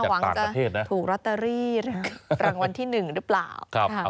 หวังจะถูกรอตเตอรี่นะครับรางวัลที่หนึ่งหรือเปล่าครับ